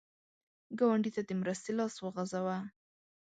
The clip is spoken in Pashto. ګاونډي ته د مرستې لاس وغځوه